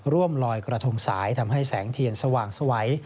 ลอยกระทงสายทำให้แสงเทียนสว่างสวัย